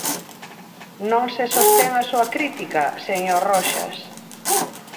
Non se sostén a súa crítica, señor Roxas.